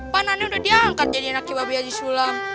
panannya udah diangkat jadi anak cipa biaya di sulam